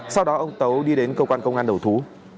sau đó ông tấu đi đến cơ quan công an đầu thú